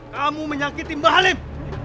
kamu menyakiti mbah halim